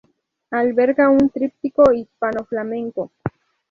Alberga un tríptico hispano-flamenco.